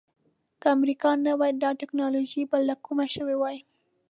که امریکا نه وای دا ټکنالوجي به له کومه شوې وای.